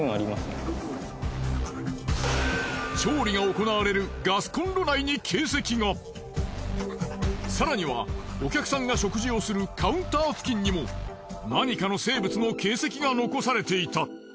調理が行われる更にはお客さんが食事をするカウンター付近にも何かの生物の形跡が残されていた。